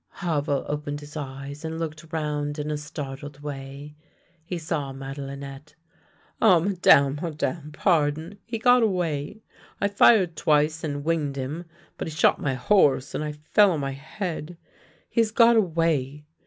Havel opened his eyes and looked round in a startled way. He saw Madelinette. " Ah, Madame, Madame, pardon! He got away. I fired twice and winged him, but he shot my horse and I fell on my head. He has got away.